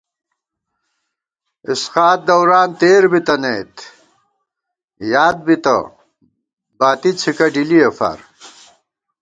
اِسقاط دوران تېر بِتَنَئیت یاد بِتہ باتی څھِکہ ڈِلِئے فار